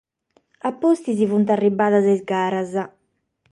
A pustis sunt arribadas sas garas.